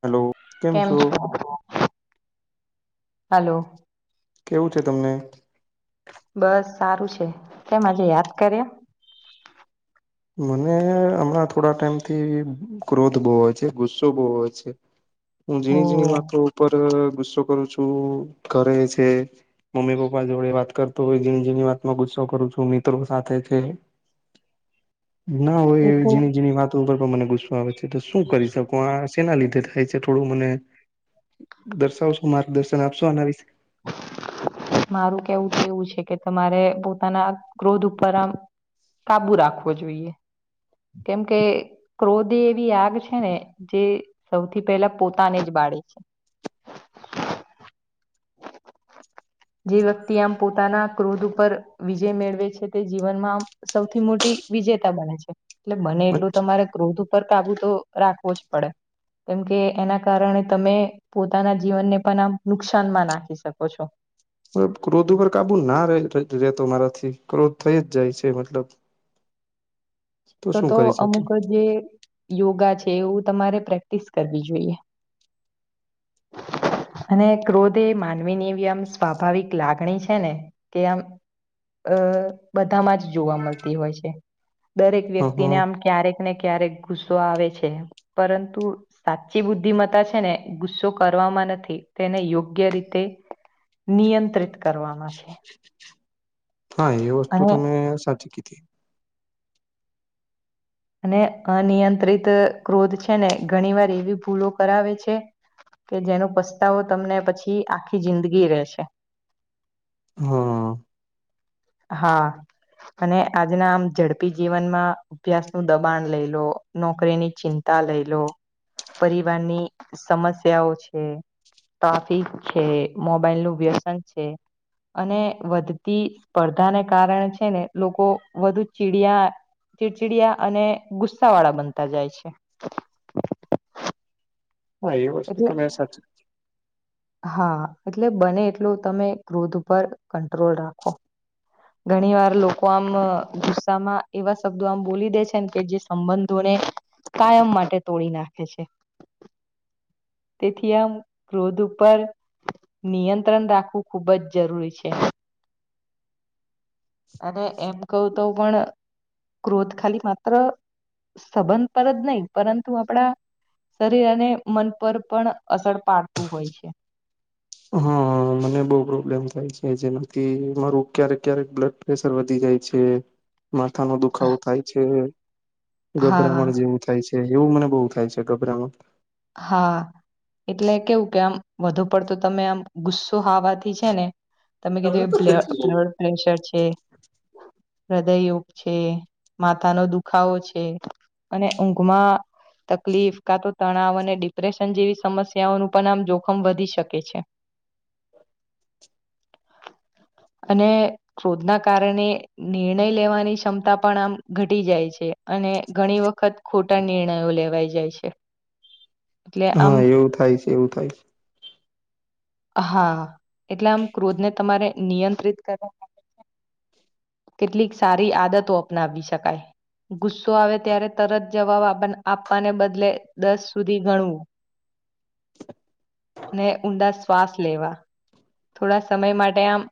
Hello કેમ છો? Hello. કેવું છે તમને? બસ સારું છે તેમ આજે યાદ કર્યા? મને હમણાં થોડા ટાઈમ થી ક્રોધ બહુ હોય છે ગુસ્સો બહુ હોય છે. હું હો. ઝીણી જઝણી વાતો ઉપર ગુસ્સો કરું છું ઘરે છે, મમ્મી પપ્પા જોડે વાત કરતો હોય જેની જેની વાતમાં ગુસ્સો કરું છું મિત્રો સાથે છે. ના હોય એ ઝણી ઝીણી વાતો ઉપર મને ગુસ્સો આવે છે તો શું કરી શકો આ શેના લીધે થાય છે થોડું મને દર્શાવશો માર્ગદર્શન આપશો આના વિશે. [inaudible] મારું કેવું એવું છે કે તમારે પોતાના ક્રોધ ઉપર આમ કાબુ રાખવો જોઈએ. કેમકે ક્રોધે એવી આગ છે ને જે સૌથી પહેલા પોતાની જ બાત બાળે છે. જે વ્યક્તિ આમ પોતાના ક્રોધ ઉપર વિજય મેળવે છે તે જીવનમાં સૌથી મોટી વિજેતા જેતા બને છે, એટલે બને એટલું તમારે ક્રોધ ઉપર કાબુ તો રાખવો જ પડે. કેમ કે એના કારણે તમે પોતાના જીવનને પણ આમ નુકસાન સ્થાનમાં નાખી શકો છો. ક્રોધ ઉપર કાબુ ના રેતો મારાથી ક્રોધ થઈ જ જાય છે મતલબ. તો શું તો કરી શકું અમુક જે યોગા છે. તેવું તમારે પ્રેક્ટિસ કરવી જોઈએ. અને ક્રોધ એ માનવીનીવી આમ સ્વાભાવિક લાગણી છે ને કે આમ અહ બધામાં જ જોવા મલતી હોય છે. દરેક હ હ વ્યક્તિને આમ ક્યારેક ને ક્યારેક ગુસ્સો આવે છે, પરંતુ સાચી બુદ્ધિમતા છે ને ગુસ્સો કર કરવામાં નથી. તેને યોગ્ય રીતે નિયંત્રિત કરવામાં છે. હા એ વસ્તુ અને તમે સાચી કીધી. અને અનિયંત્રિત ક્રોધ છે ને ઘણી વાર એવી ભૂલો કરાવે છે કે જેનો પસ્તાવો તમને પછી આખી જિંદગી રહેેશે. હા. હા. અને આજના આમ ઝડપી જીવનમાં અભ્યાસ નું દબાણ લઈ લો, નોકરી ની ચિંતા તા લઈ લો, પરિવારની સમસ્યાઓ છે ટોફીક છે, મોબાઈલ નું વ્યસન છે, અને વધતી સ્પર્ધાને કારણે છે ને લોકો વધુ ચીડિયા ચિડચિડિયા અને ગુસ્સા વાળા બનતા જાય છે. હા એ વસ્તુ એટલે તમેં સાચી કીધી. હા એટલે બને એટલું તમે ક્રોધ ઉપર કંટ્રોલ રાખો. ઘણી વાર લોકો આમ અહ ગુસ્સામાં એવા શબ્દો આમ બોલી દે છે ને કે જે સંબંધોને કાયમ માટે તોડી નાખે છે. તેથી આમ ક્રોધ પર નિયંત્રણ રાખવું ખૂબ જ જરૂરી છે. અને એમ કહ્યું તો પણ ક્રોધ ખાલી માત્ર સંબંધ પર જ નહીં, પરંતુ આપણા શરીર અને મન પર પણ અસર પાડતું હોય છે. હા મને બહું પ્રોબ્લેમ થાય છે. જેનાથી મારું ક્યારેક-ક્યારેક બ્લડ પ્રેશર વધી જાય છે, માથાનો દુખાવો થાય છે હા ગભરામણ જેવું થાય છે એવું મને બહુ થાય છે ગભરામણ. હા. એટલે કેવું કે આમ વધુ પડતો તમે આમ ગુસ્સો હાવાથી છે ને તમે કીધું એ બ્લડ બ્લડ પ્રેશર છે હૃદયયોગ છે, માથાનો દુખાવો છે, અને ઊંઘમાં તકલીફ કા તો તણાવ અને ડિપ્રેશન જેવી સમસ્યાઓનું પણ આમ જોખમ વધી શકે છે. [inaudible] અને ક્રોધના કારણે નિર્ણય લેવાની ક્ષમતા પ--ણ આમ ઘટી જાય છે અન ને અને ઘણી વખત ખોટા નિર્ણયો લેવાઈ જાય છે. એટલે આમ હા એવું થાય છે એવું થાય છે હા એટલે આમ ક્રોધને તમારે નિયંત્રિત કરવાે છે કેટલીક સારી આદતો અપનાવી શકાય ગુસ્સો આવે ત્યારે તરત જવાબ અપ આપવાને આપવાને બદલે દસ સુધી ગણવું ને ઊંડા શ્વાસ લેવા. થોડા સમય માટે આમ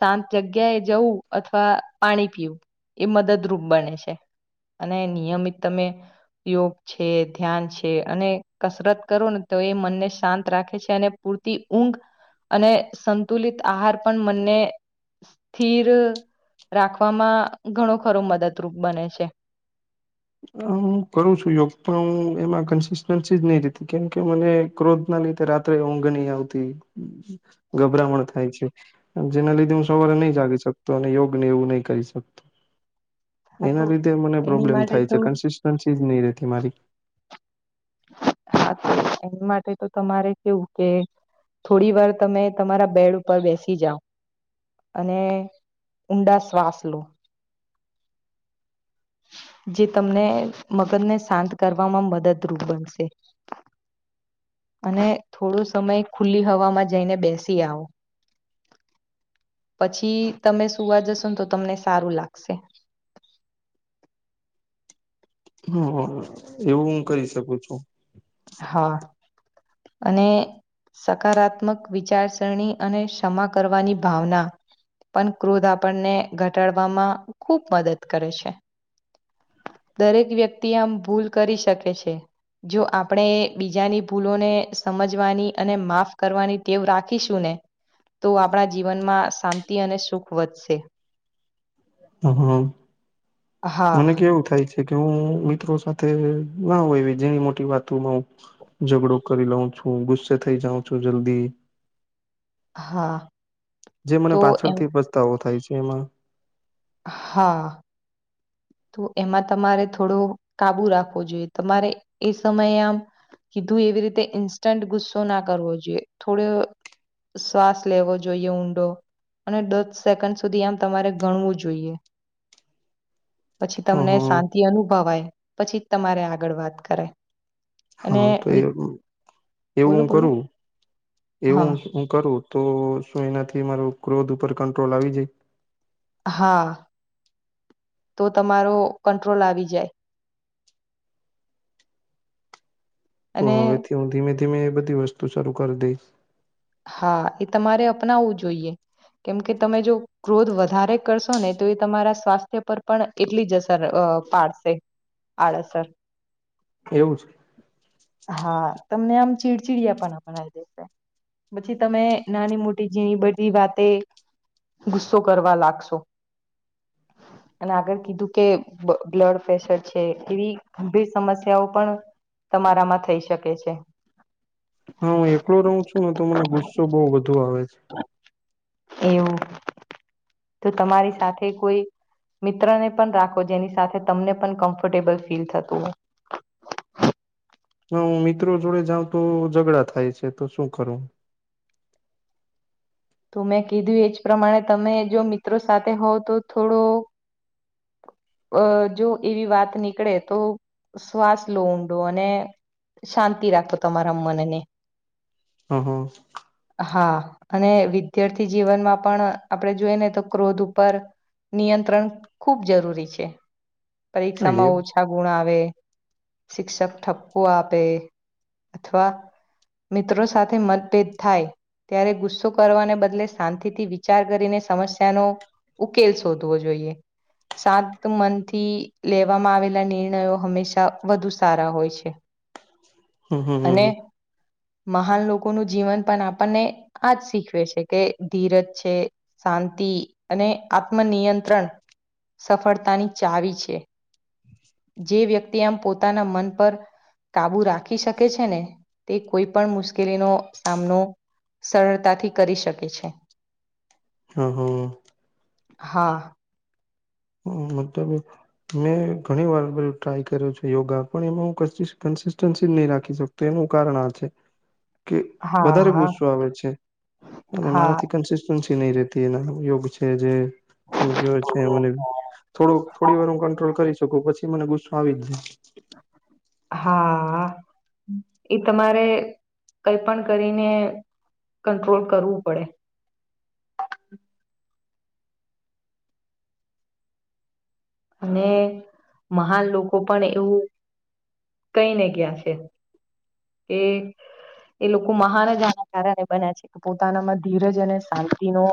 શાંત જગ્યાએ જવું અથવા પાણી પીવું એ મદદરૂપ બને છે. અને નિયમિત તમે યોગ છે, ધ્યાન છ છે અને કસરત કરો ને તો એ મનને શાંત રાખે છે, અને પૂરતી ઊંઘ અને સંતુલિત આહાર પણ મનને સ્થિર રાખવામાં ઘણો ખરો મદદરૂપ બને છે. અમ્મ હું કરું છું, યોગ પણ અહ એમાં કન્સિસ્ટન્સી જ નહી રહેતી કેમકે મને ક્રોધ ના લિધે રાત્રે ઊંઘ નઈ આવતી ગભરામણ થાય છે, આભ જેના લીધે હું સવારે ની જાગી શકતો અને યોગ ને એવું નહીં કરી શકતો. [inaudible] તો એના લીધે મને એની પ્રોબ્લેમ માટે થાય તો છે કન્સિસ્ટન્સી જ નહી રહેતી મારી [unintelligible] એની માટે તો તમારે કેવું કે થોડી વાર તમે તમારા બેડ ઉપર બેસી જાઓ અને ઊંડા શ્વાસ લો. [inaudible] જે તમને મગજ ને શાંત કરવામાં મદદરૂપ બનશે. અને થોડો સમય ખુલ્લી હવામાં જઈને બેસી આવો. પછી તમે સુવા જશો ને તો તમને સારું લાગશે. [unintelligible] એવું હું કરી શકું છું. હા અને સકારાત્મક વિચારસરણી અને ક્ષમા કરવાની ભાવના પણ ક્રોધ આપણને ઘટાડવામાં ખૂબ મદદ કરે છે. દરેક વ્યક્તિ આમ ભૂલ કરી શકે છે, જો આપ આપણે બીજાની ભૂલોને સમજવાની અને માફ કરવાની ટેવ રાખીશું ને તો આપણા જીવનમાં શાંતિ અને સુખ વધશે. હા મને હા, કેવું થાય છે કે હું મિત્રો સાથે ના હોય એવી જીની મોટી વાતોમાં હું ઝઘડો કરી લઉ છું, ગુસ્સે થઇ જાઉં છું જલ્દી હા. જે મને તો એમ પાછળથી પસ્તાવો થાય છે એમાં. હા. તો એમાં તમારે થોડો કાબુ રાખવો જોઈએ. તમારે એ સમયે આમ કીધું એવી રીતે ઈન્સ્ટન્ટ ગુસ્સો ના કરવો જોઈએ થોડો શ્વાસ લેવો જોઈએ ઊંડો અને દસ સેકન્ડ સુધી આમ તમારે ગણવું જોઈએ. પછી હ તમને શાંતિ અનુભવાય પછી તમારે આગળ વાત કરાઈ. હા તો એ એવું બોલો હું બોલો કરું એવું હા હું કરું તો શું એનાથી મારો ક્રોધ ઉપર કંટ્રોલ આવી જાય? હા તો તમારો કંટ્રોલ આવી જાય. તો અને હવેથી હું ધીમે-ધીમે એ બધી વસ્તુ શરૂુ કરી દઈશ. હા એ તમારે અપનાવવું જોઈએ કેમકે તમે જો ક્રોધ વધારે કરશો ને તો એ તમારા સ્વાસ્થ્ય પર પણ એટલી જ અસર પાડશે આડસર એવું છે હા. તમને આમ ચીડચીડિયાપના બનાવી દેશે. પછી તમે નાની-મોટી જિણી બધી વાતે ગુસ્સો કરવા લાગશો. અને આગળ કીધું કે બ્લડ પ્રેશર છે એવી ગંભીર સમસ્યાઓ પણ તમારામાં થઈ શકે છે. હા હું એકલો રહું છું ને તો મને ગુસ્સો બહઉ વધુ આવે છે એવું તો તમારી સાથે કોઈ મિત્રને પણ રાખો જેની સાથે તમને પણ કમ્ફર્ટેબલ ફીલ થતું. [inaudible] હ હું મિત્રો જોડે જાઉં તો ઝઘડા થાય છે, તો શું કરું? તો મેં કીધું એ જ પ્રમાણે તમે જો મિત્રો સાથે હોવ તો થોડો અ જો એવી વાત નીકળે તો શ્વાસ લો ઊંડો અને શાંતિ રાખો તમારા મનને. હ હ. હા અને વિદ્યાર્થી જીવનમાં પણ આપડે જોઈ ને તો ક્રોધ ઉપર નિયંત્રણ ખૂબ જરૂરી છે. પરીક્ષામાં એવું ઓછા ગુણ આવે શિક્ષક ઠપકો આપે અથવા મિત્રો સાથે મતભેદ થાય ત્યારે ગુસ્સો કરવાને બદલે શાંતિથી વિચાર કરીને સમસ્યાનો ઉકેલ શોધવો જોઈએ, સાત તો મનથી લેવામાં આવેલા નિર્ણયો હંમેશા વધુ સારા હોય છે. હમ અને હમ હ. મહાન લોકોનું જીવન પણ આપણને આજ શીખવે છે કે ધીરજ છે શાંતિ. અને આત્મનિયંત્રણ સફળતાની ચાવી છે. જે વ્યક્તિ આમ પોતાના મન પર કાબુ રાખી શકે છે ને, તે કોઈ પણ મુશ્કેલીનો સામનો સરળતાથી કરી શકે છે. હ હ. હા. મતલબ, મેં ઘણી વાર બધું ટ્રાય કર્યો છે યોગા પણ એમાં હું ક ન રાખી શક એનું કારણ આ છે. હ [inaudible] કે વધારે ગુસ્સો આવે છે, અને હા મારાથી કેન્સિસ્ટન્સી નહી રતી એના યોગ છે જે સમય છે મને થોડું થોડી વાર હું કંટ્રોલ કરી શકું પછી મને ગુસ્સો આવી જ જાય. હા, એ તમારે કઈ પણ કરીને કંટ્રોલ કરવું પડે. અને મહાન લોકો પણ એવું કઈ નને ક્યાં છે, એ એ લોકો મહાનજાના કારણે બન્યા છે કે પોતાનામાં ધીરજ અને શાંતિનો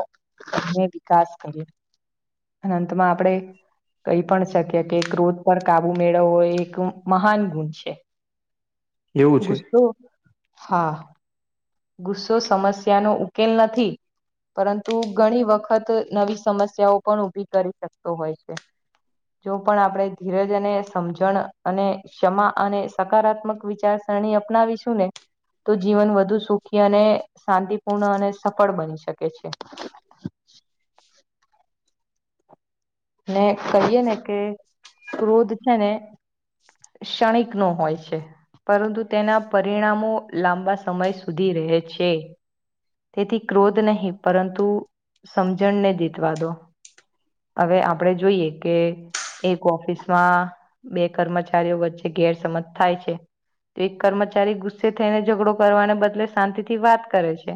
વિકાસ કરીને, અંતમાં આપણે કઈ પણ શક્ય કે ક્રોધ પર કાબુ મેળવવો એ એક મહાન ગુણ છે. એવું છે ગુસ્સો હા. ગુસ્સો સમસ્યાનો ઉકેલ નથી. પરંતુ ઘણી વખત નવી સમસ્યાઓ પણ ઊભી કરી શકતો હોય છે. જો પણ આપણે ધીરજ અને સમજણ અને ક્ષમા અને સકારાત્મક વિચાર. ણી અપનાવીશું ને, તો જીવન વધુ સુખ ખી અને શાંતિપૂર્ણ અને સફળ બની શકે છે. ને કહીએ ને કે ક્રોધ છે ને. ક્ષણિક નો હોય છે. પરંતુ તેના પરિણામો લાંબા સમય સુધી રહે છે. તેથી ક્રોધ નહીં પરંતુ સમજણને જીતવા દો. હવે આપણેે જોઈએ કે. એક ઓફિસમાં બે કર્મચારીઓ વચ્ચે ગેરસમજ થાય છે. તો એક કર્મચારી ગુસ્સે થઈને ઝઘડો કરવાને બદલે શાંતિ થી વાત કરે છે.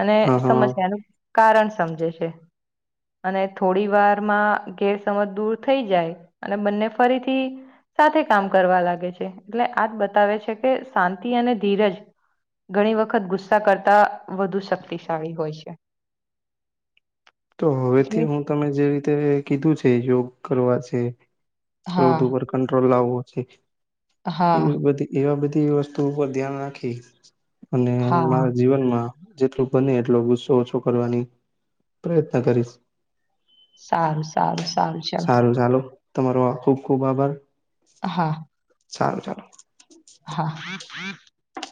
અને હા હા સમસ્યાનું કારણ સમજે છે, અને થોડી વાર માં ગેરસમજ દૂર થઈ જાય, અને બંને ફરીથી. સાથે કામ કરવા લાગે છે એટલે આજ બતાવે છે કે શાંતિ અને ધીરજ ઘણી વખત ગુસ્સા કરતા વધુ શક્તિશાળી હોય છે. તો હવેથી એટલે હું તમે જે રીતે કીધું છે યોગ કરવા છે. હા ક્રોધ ઉપર કંટ્રોલ લાવવો છે, એ હા બધ એવા બધી વસ્તુ ઉપર ધ્યાન રાખી, અને હા મારા જીવનમાં. જેટલું બને એટલો ગુસ્સો ઓછો કરવાની પ્રયત્ન કરીશ. સારું સારું. સારું ચાલો તમારો ખુબ ખુબ આભાર. હા. સારું ચાલો. હા.